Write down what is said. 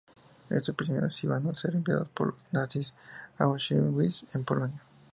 Esos prisioneros iban ser enviados por los nazis a Auschwitz, en Polonia.